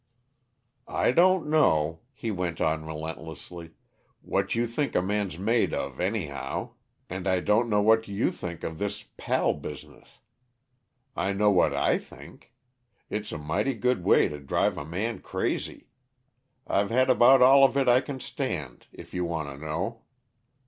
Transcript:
"I don't know," he went on relentlessly, "what you think a man's made of, anyhow. And I don't know what you think of this pal business; I know what I think: It's a mighty good way to drive a man crazy. I've had about all of it I can stand, if you want to know."